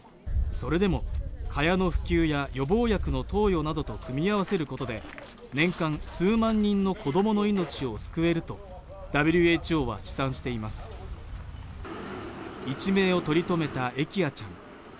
それでも蚊帳の普及や予防薬の投与などと組み合わせることで年間数万人の子どもの命を救えるとＷＨＯは試算しています一命を取り留めたエキアちゃん